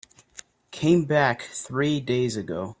Came back three days ago.